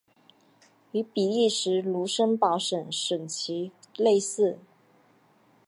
与比利时卢森堡省省旗类似。